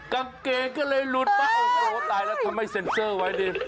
กางเกงก็เลยหลุดมาโอ้โหตายแล้วทำไมเซ็นเซอร์ไว้ดิ